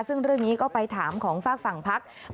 ซึ่งเรื่องนี้ก็ไปถามของฝั่งภักดิ์